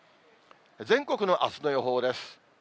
全国のあすの予報です。